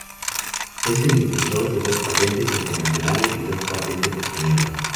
Es el inventor en dos patentes internacionales y dos patentes españolas.